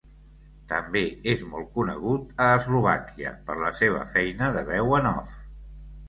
També és molt conegut a Eslovàquia per la seva feina de veu en off.